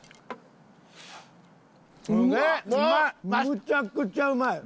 むちゃくちゃうまい！